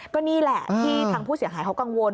ก็นี่แหละที่ทางผู้เสียหายเขากังวล